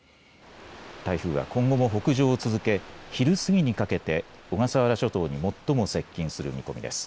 台風は今後も北上を続け昼過ぎにかけて小笠原諸島に最も接近する見込みです。